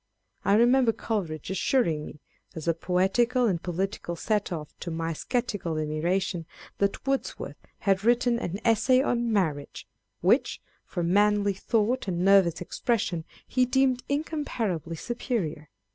I remember Coleridge assuring me, as a poetical and political set off to my sceptical admiration, that Wordsworth had written an Essay on Marriage, which, for manly thought and nervous expression, he deemed incomparably superior.